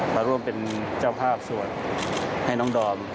มาร่วมเป็นเจ้าภาพสวดให้น้องดอม